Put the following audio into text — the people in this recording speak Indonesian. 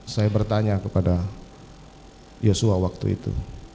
saya bertanya kepada yosua waktu itu